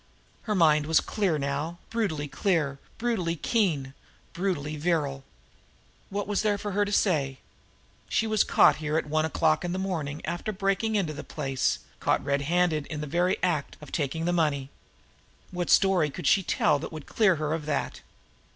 Her mind was clear now, brutally clear, brutally keen, brutally virile. What was there for her to say? She was caught here at one o'clock in the morning after breaking into the place, caught red handed in the very act of taking the money. What story could she tell that would clear her of that!